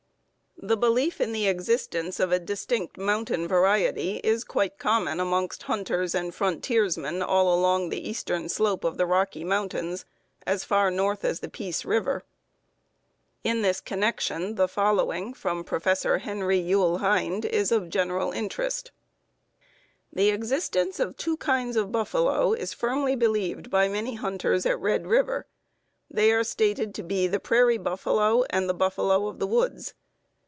] The belief in the existence of a distinct mountain variety is quite common amongst hunters and frontiersmen all along the eastern slope the Rocky Mountains as far north as the Peace River. In this connection the following from Professor Henry Youle Hind is of general interest: [Note 33: Red River, Assinniboine and Saskatchewan Expedition, II p. 104 105.] "The existence of two kinds of buffalo is firmly believed by many hunters at Red River; they are stated to be the prairie buffalo and the buffalo of the woods.